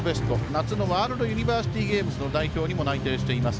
夏のワールドユニバーシティゲームズの代表にも内定しています